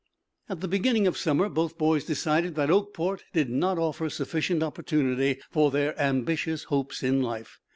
At the beginning of summer both boys decided that Oakport did not offer sufficient opportunity for their ambitious hopes in life.